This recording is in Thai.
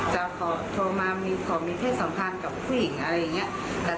จะขอโทรมาขอมีเพศสัมพันธ์กับผู้หญิงอะไรอย่างนี้